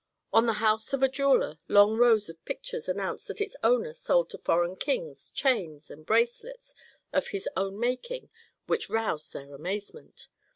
On the house of a jeweller long rows of pictures announced that its owner sold to foreign kings chains and bracelets of his own making which roused their amazement.